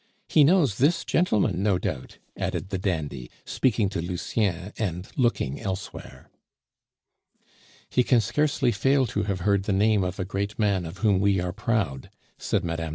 He knows this gentleman, no doubt," added the dandy, speaking to Lucien, and looking elsewhere. "He can scarcely fail to have heard the name of a great man of whom we are proud," said Mme.